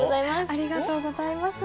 ありがとうございます。